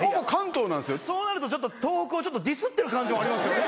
そうなるとちょっと東北をディスってる感じもありますよね。